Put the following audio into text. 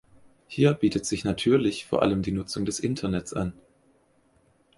Hier bietet sich natürlich vor allem die Nutzung des Internets an.